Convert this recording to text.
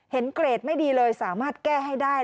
เกรดไม่ดีเลยสามารถแก้ให้ได้